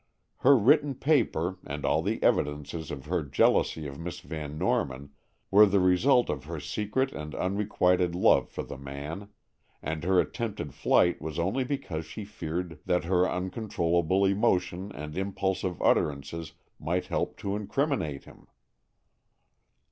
Her written paper, and all the evidences of her jealousy of Miss Van Norman, were the result of her secret and unrequited love for the man, and her attempted flight was only because she feared that her uncontrollable emotion and impulsive utterances might help to incriminate him.